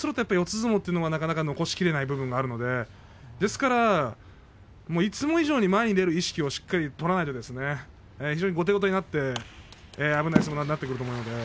相撲というのはなかなか残しきれないところがあるのでですから、いつも以上に前に出る意識をしっかり取らないと後手後手になって危ない相撲になってくると思います。